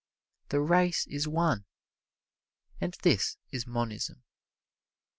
The race is one, and this is monism.